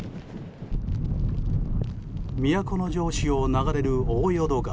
都城市を流れる大淀川。